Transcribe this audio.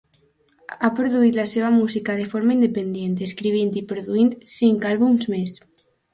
Ha produït la seva música de forma independent, escrivint i produint cinc àlbums més.